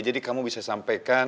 jadi kamu bisa sampaikan